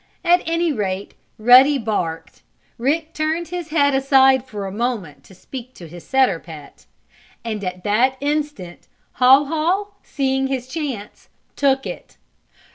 At any rate Ruddy barked, Rick turned his head aside for a moment to speak to his setter pet. And at that instant Haw Haw, seeing his chance, took it.